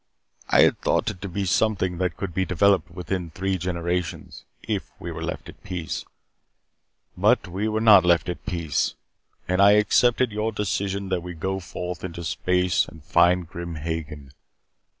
I had thought it to be something that could be developed within three generations if we were left at peace. But we were not left at peace. And I accepted your decision that we go forth into space and find Grim Hagen.